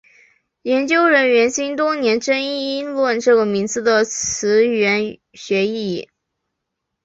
研究人员经多年争论这个名字的词源学意义。